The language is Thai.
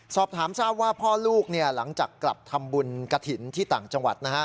สอบถามทราบว่าพ่อลูกหลังจากกลับทำบุญกระถิ่นที่ต่างจังหวัดนะฮะ